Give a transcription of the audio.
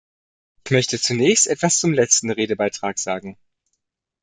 Ich möchte zunächst etwas zum letzten Redebeitrag sagen.